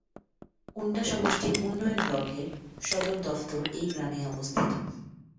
ওন্দা সমষ্টি উন্নয়ন ব্লকের সদর দফতর এই গ্রামেই অবস্থিত।